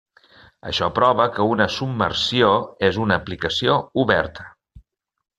Això prova que una submersió és una aplicació oberta.